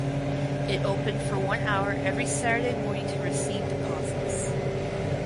It opened for one hour every Saturday morning to receive deposits.